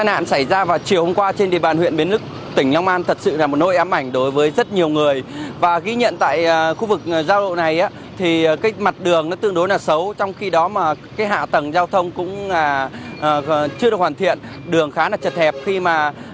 ngã tư bình nhật huyện bến lức tỉnh long an mặt đường chi trích ổ gà đá dâm